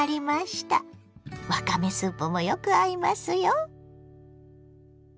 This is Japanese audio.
わかめスープもよく合いますよ。